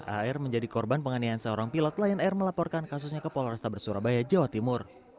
ar menjadi korban penganiayaan seorang pilot lion air melaporkan kasusnya ke polrestabes surabaya jawa timur